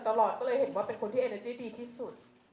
ตลอดก็เลยเห็นว่าเป็นคนที่เอเนอร์จี้ดีที่สุด